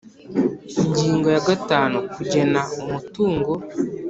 Ingingo ya gatanu Kugena umutungo